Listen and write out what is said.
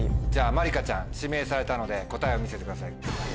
まりかちゃん指名されたので答えを見せてください。